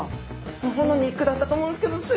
ほほの肉だったと思うんですけどす